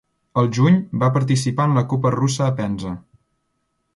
Al juny, va participar en la Copa Russa a Penza.